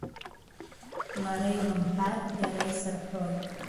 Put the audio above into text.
Лара илымҳәар иара исырҳәоит.